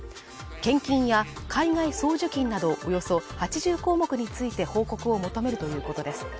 献金や海外送受金などおよそ８０項目について報告を求めるということです